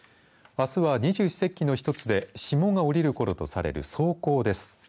あすは、二十四節気の一つで霜が降りるころとされる霜降です。